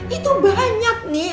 itu banyak nih